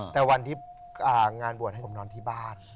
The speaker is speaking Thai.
แต่วันที่งานบวชให้ผมนอนที่บ้าน